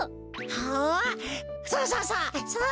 おおそうそうそう！